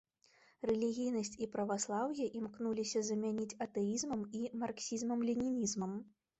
Рэлігійнасць і праваслаўе імкнуліся замяніць атэізмам і марксізмам-ленінізмам.